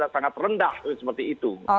sangat rendah seperti itu